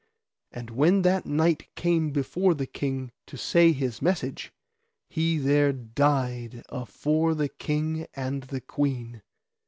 And when that knight came before the king to say his message, he there died afore the king and the queen.